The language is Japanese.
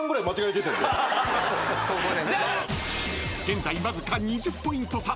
［現在わずか２０ポイント差］